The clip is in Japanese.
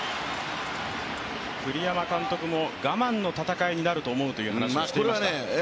栗山監督も我慢の戦いになると思うと話していました。